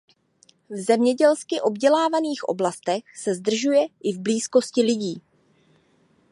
V zemědělsky obdělávaných oblastech se zdržuje i v blízkosti lidí.